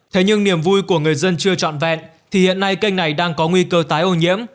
thế nhưng niềm vui của người dân chưa trọn vẹn thì hiện nay kênh này đang có nguy cơ tái ô nhiễm